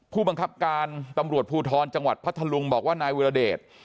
ผู้บังคับการตำรวจภูทรจังหวัดพัทธลุงบอกว่านายวิรเดช